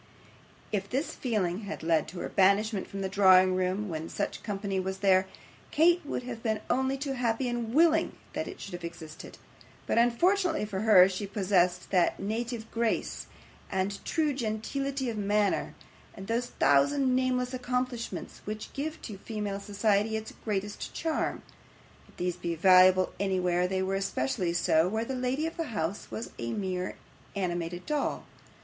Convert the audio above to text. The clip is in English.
If this feeling had led to her banishment from the drawing room when such company was there, Kate would have been only too happy and willing that it should have existed, but unfortunately for her she possessed that native grace and true gentility of manner, and those thousand nameless accomplishments which give to female society its greatest charm; if these be valuable anywhere, they were especially so where the lady of the house was a mere animated doll.